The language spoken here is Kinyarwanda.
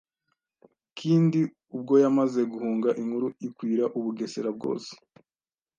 Kindi ubwo yamaze guhunga inkuru ikwira u Bugesera bwose,